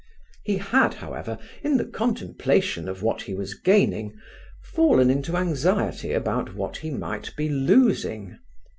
He had, however, in the contemplation of what he was gaining, fallen into anxiety about what he might be losing.